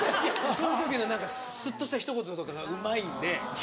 そういう時のシュッとしたひと言とかがうまいんで。